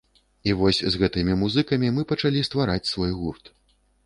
І вось з гэтымі музыкамі мы пачалі ствараць свой гурт.